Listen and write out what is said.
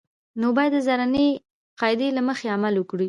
نو باید د زرینې قاعدې له مخې عمل وکړي.